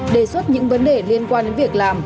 đề xuất những vấn đề liên quan đến việc làm